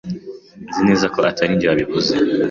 Nzi neza ko atari njye wabivuze.